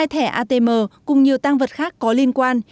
một mươi hai thẻ atm cùng nhiều tăng vật khác có liên quan